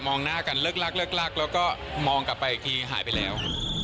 หน้ากันเลิกลักเลิกลักแล้วก็มองกลับไปอีกทีหายไปแล้ว